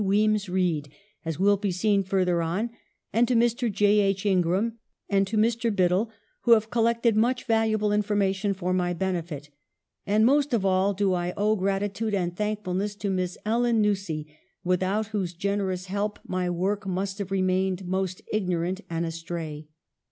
Wemyss Reid, as will be seen further on, to Mr. J. H. Ingram, and to Mr. Biddell, who have collected much valuable infor mation for my benefit ; and most of all do I owe gratitude and thankfulness to Miss Ellen Nussey, without whose generous help my work must have remained most ignorant and astray.